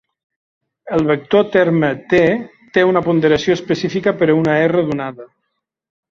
El vector terme "t" té una ponderació específica per a una "R" donada.